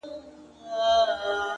o چي په سرو وینو کي اشنا وویني؛